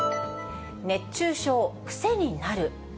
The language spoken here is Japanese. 熱中症くせになる？